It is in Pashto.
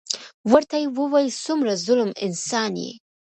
ورته يې وويل څومره ظلم انسان يې.